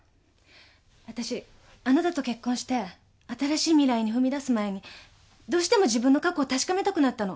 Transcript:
あたしあなたと結婚して新しい未来に踏み出す前にどうしても自分の過去を確かめたくなったの。